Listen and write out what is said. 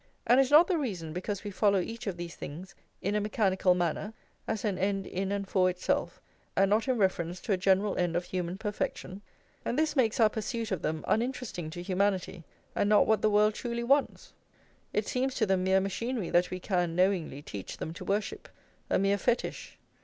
And is not the reason because we follow each of these things in a mechanical manner, as an end in and for itself, and not in reference to a general end of human perfection? and this makes our pursuit of them uninteresting to humanity, and not what the world truly wants? It seems to them mere machinery that we can, knowingly, teach them to worship, a mere fetish.